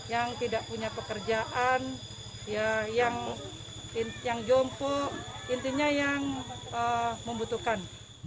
yang tidak punya pekerjaan yang jompo intinya yang membutuhkan